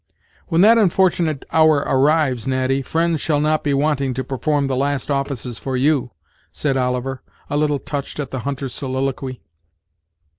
"When that unfortunate hour arrives, Natty, friends shall not be wanting to perform the last offices for you," said Oliver, a little touched at the hunter's soliloquy.